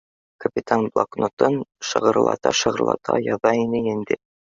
Капитан блокнотын шығырлата-шығырлата яҙа ине инде